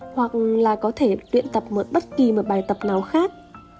hoặc là có thể luyện tập một bất kỳ một bài tập nào khác